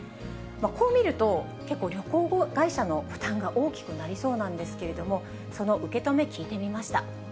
こう見ると、結構、旅行会社の負担が大きくなりそうなんですけれども、その受け止め聞いてみました。